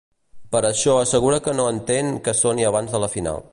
Per això assegura que no entén que soni abans de la final.